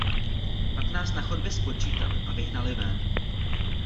Pak nás na chodbě spočítali a vyhnali ven.